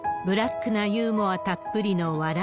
ブラックなユーモアたっぷりの笑